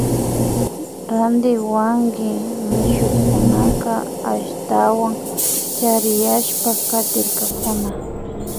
Ranti wakin mishukunaka ashtawan chariyashpa katirkakuna